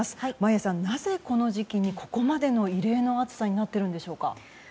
眞家さん、なぜこの時期にここまでの異例の暑さになっているんですか。